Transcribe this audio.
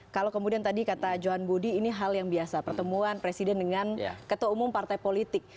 kalau kemudian tadi kata johan budi ini hal yang biasa pertemuan presiden dengan ketua umum partai politik